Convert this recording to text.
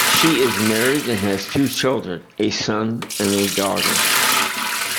She is married and has two children, a son and a daughter.